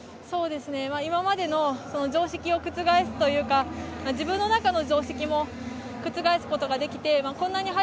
今までの常識を覆すというか自分の中の常識も覆すことができて